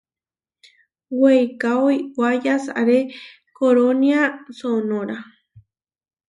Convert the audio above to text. Weikáo iʼwá yasaré korónia Sonóra.